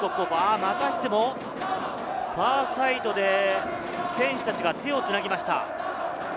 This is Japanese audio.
またしてもファーサイドで選手たちが手をつなぎました。